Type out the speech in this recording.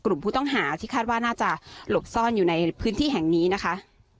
กลุ่มผู้ต้องหาที่คาดว่าน่าจะหลบซ่อนอยู่ในพื้นที่แห่งนี้นะคะ